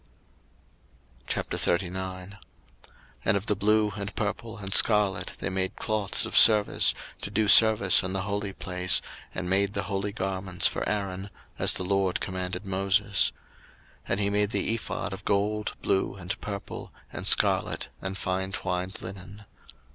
02:039:001 And of the blue, and purple, and scarlet, they made cloths of service, to do service in the holy place, and made the holy garments for Aaron; as the LORD commanded Moses. 02:039:002 And he made the ephod of gold, blue, and purple, and scarlet, and fine twined linen.